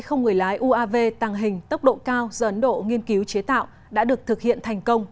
không người lái uav tàng hình tốc độ cao do ấn độ nghiên cứu chế tạo đã được thực hiện thành công